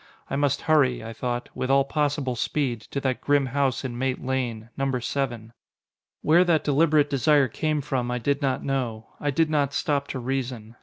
I must hurry, I thought, with all possible speed, to that grim house in Mate Lane number seven. Where that deliberate desire came from I did not know. I did not stop to reason.